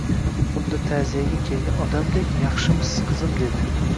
Xuddi ta’ziyaga kelgan odamdek, Yaxshimisiz, qizim, dedi